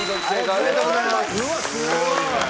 ありがとうございます。